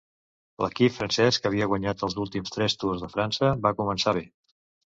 L'equip francès, que havia guanyat els últims tres Tours de França, va començar bé.